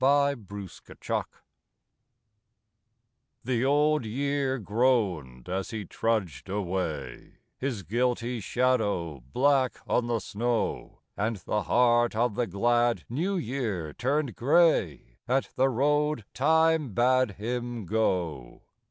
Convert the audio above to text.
BLOOD ROAD THE Old Year groaned as he trudged away, His guilty shadow black on the snow, And the heart of the glad New Year turned grey At the road Time bade him go.